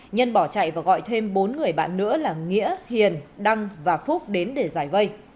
nhân bỏ chạy và gọi thêm bốn người bạn nữa là nghĩa hiền đăng và phúc đến để giải vây